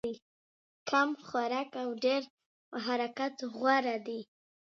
کم خوراک او ډېر حرکت غوره دی.